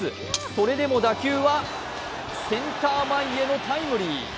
それでも打球はセンター前へのタイムリー。